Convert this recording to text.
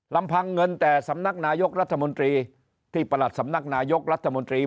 ลำพังเงินแต่สำนักนายกรัฐมนตรีที่ประหลัดสำนักนายกรัฐมนตรี